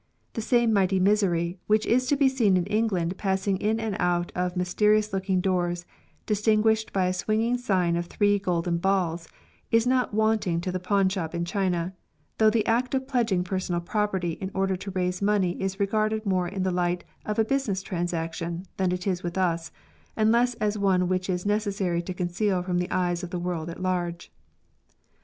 The same mighty misery, which is to be seen in England passing in and out of mysterious looking doors distinguished by a swinging sign of three golden balls, is not wanting to the pawnshop in China, though the act of pledging personal property in order to raise money is regarded more in the light of a business transaction than it is with us, and less as one which it is necessary to conceal from the eyes of the world at laro^e.